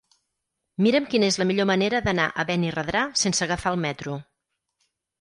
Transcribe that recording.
Mira'm quina és la millor manera d'anar a Benirredrà sense agafar el metro.